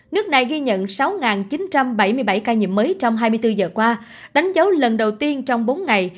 nước này ghi nhận sáu chín trăm bảy mươi bảy ca nhiễm mới trong hai mươi bốn giờ qua đánh dấu lần đầu tiên trong bốn ngày